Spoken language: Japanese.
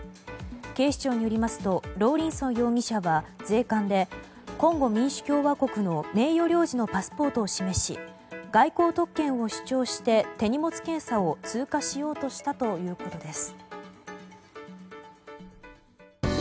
警視庁によりますとローリンソン容疑者は税関でコンゴ民主共和国の名誉領事のパスポートを示し外交特権を主張して手荷物検査を通過しようとしたということです。